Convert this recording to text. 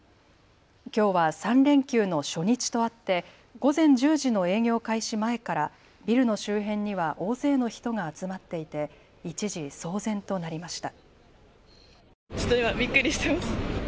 きょうは３連休の初日とあって午前１０時の営業開始前からビルの周辺には大勢の人が集まっていて一時騒然となりました。